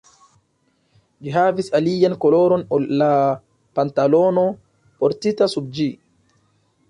Ĝi havis alian koloron ol la pantalono, portita sub ĝi.